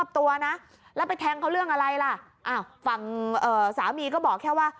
ตัวนะแล้วไปแทงเขาเรื่องอะไรล่ะอ้าวฝั่งสามีก็บอกแค่ว่า